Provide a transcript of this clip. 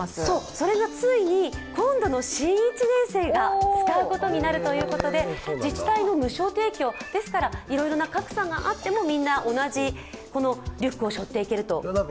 それがついに、今度の新１年生が使うことになるということで、自治体の無償提供、ですからいろいろな格差があってもみんな同じリュックをしょっていけると。